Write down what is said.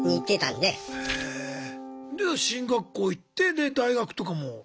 で進学校行ってで大学とかも。